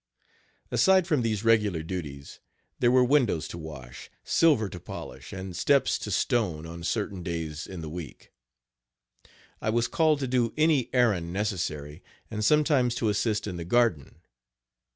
Aside from these regular duties, there were windows to wash, silver to polish and steps to stone on certain days in the week. I was called to do any errand neccessary, and sometimes to assist in the garden.